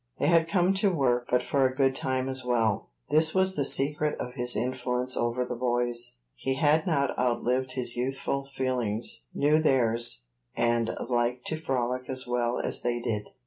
They had come to work, but for a good time as well. This was the secret of his influence over the boys. He had not outlived his youthful feelings; knew theirs, and liked to frolic as well as they did.